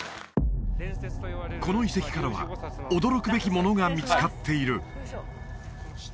この遺跡からは驚くべきものが見つかっているよいしょ